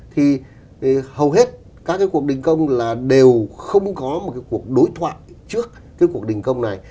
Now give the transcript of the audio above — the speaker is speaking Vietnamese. thì hầu hết các cái cuộc đình công là đều không có một cái cuộc đối thoại trước cái cuộc đình công này